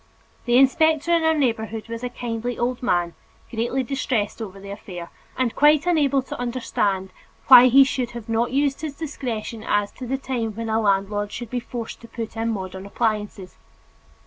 The inspector in our neighborhood was a kindly old man, greatly distressed over the affair, and quite unable to understand why he should have not used his discretion as to the time when a landlord should be forced to put in modern appliances.